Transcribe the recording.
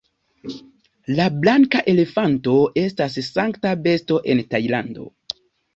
La blanka elefanto estas sankta besto en Tajlando.